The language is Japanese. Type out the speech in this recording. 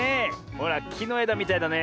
ほらきのえだみたいだねえ。